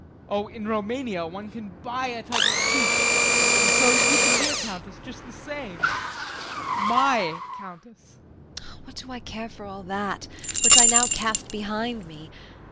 JEAN. Oh, in Roumania, one can buy a title cheap and so you can be a countess just the same my countess! JULIE. What do I care for all that which I now cast behind me.